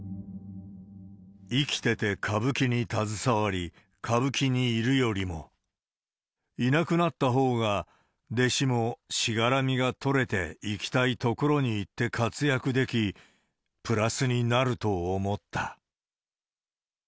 生きてて歌舞伎に携わり、歌舞伎にいるよりも、いなくなったほうが、弟子も、しがらみが取れて、行きたいところに行って活躍でき、プラスになると思った。